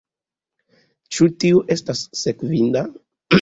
Ĉu tio estas sekvinda?